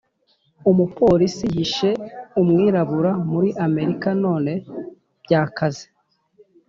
Umupolisi yishe umwirabura muri amerika none byakaze